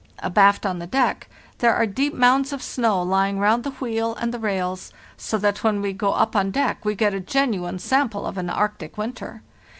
Abaft on the deck there are deep mounds of snow lying round the wheel and the rails, so that when we go up on deck we get a genuine sample of an Arctic winter.